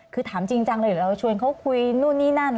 คือถามจริงจังเลยเดี๋ยวเราชวนเขาคุยนู่นนี่นั่น